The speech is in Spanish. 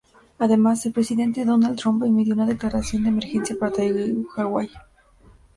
Además, el presidente Donald Trump emitió una declaración de emergencia para Hawái.